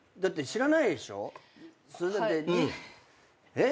えっ？